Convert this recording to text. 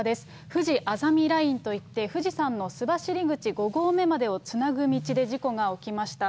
ふじあざみラインといって富士山の須走口５合目までをつなぐ道で事故が起きました。